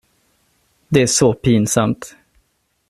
Det är så pinsamt.